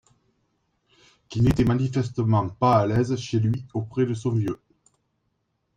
qui n’était manifestement pas à l’aise chez lui auprès de son vieux